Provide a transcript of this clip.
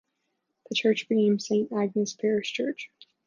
The church became Saint Agnes Parish Church.